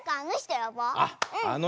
あっあの